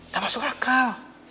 gak masuk akal